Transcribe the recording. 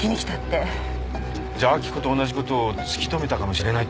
じゃあ明子とおんなじことを突き止めたかもしれないってこと？